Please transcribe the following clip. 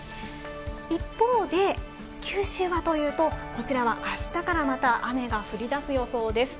一方で、九州はというと、こちらは明日からまた雨が降り出す予想です。